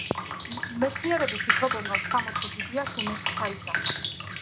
მეცნიერები ფიქრობენ, რომ სამოთხის იდეა შუმერში ჩაისახა.